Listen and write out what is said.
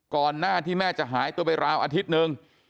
ก่อนหน้าที่แม่จะหายตัวไปราวอาทิตย์หนึ่ง